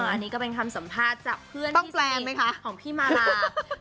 อันนี้ก็เป็นคำสัมภาษณ์จากเพื่อนที่สิของพี่มารา